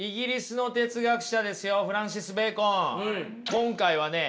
今回はね